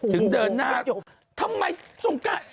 ถึงเดินหน้าทำไมสงการ